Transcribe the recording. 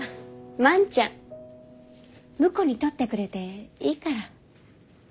万ちゃん婿に取ってくれていいから。